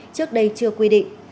trước đây chưa quy định